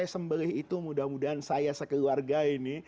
saya sembelih itu mudah mudahan saya sekeluarga ini